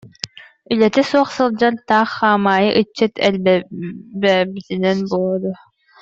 Үлэтэ суох сылдьар, таах хаамаайы ыччат элбээбититтэн буолуо дуу